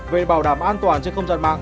về bảo đảm an toàn trên không gian mạng